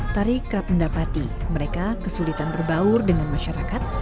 tari kerap mendapati mereka kesulitan berbaur dengan masyarakat